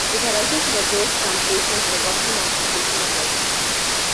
It arises from a post-translational hydroxy modification of lysine.